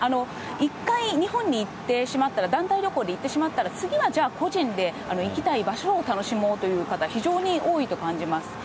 一回、日本に行ってしまったら、団体旅行で行ってしまったら、次はじゃあ個人で行きたい場所を楽しもうという方、非常に多いと感じます。